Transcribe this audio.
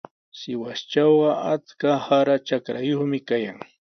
Sihuastrawqa achka sara trakrayuqmi kayan.